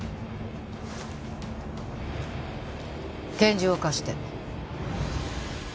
拳銃を貸して。